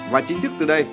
và chính thức từ đây